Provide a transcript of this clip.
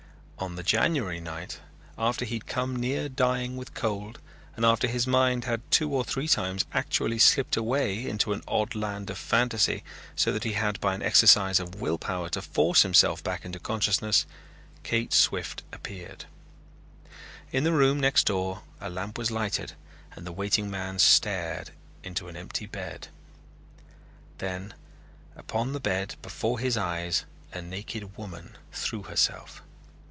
On the January night, after he had come near dying with cold and after his mind had two or three times actually slipped away into an odd land of fantasy so that he had by an exercise of will power to force himself back into consciousness, Kate Swift appeared. In the room next door a lamp was lighted and the waiting man stared into an empty bed. Then upon the bed before his eyes a naked woman threw herself.